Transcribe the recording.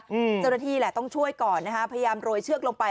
เจ้าหน้าที่แหละต้องช่วยก่อนนะฮะพยายามโรยเชือกลงไป